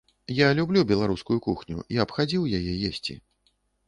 Я люблю беларускую кухню, я б хадзіў яе есці.